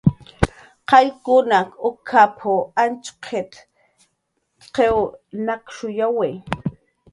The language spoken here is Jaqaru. "Luqllaq uk""ap"" Antxqit"" qiw nakshuyawi"